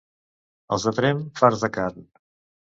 Els de Tremp, farts de carn.